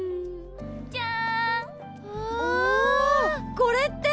これって！